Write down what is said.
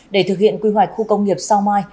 để thực hiện quy hoạch khu công nghiệp sao mai